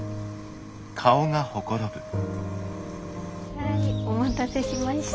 はいお待たせしました。